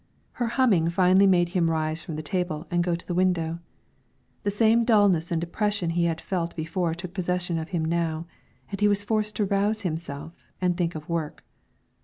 Her humming finally made him rise from the table and go to the window; the same dullness and depression he had felt before took possession of him now, and he was forced to rouse himself, and think of work.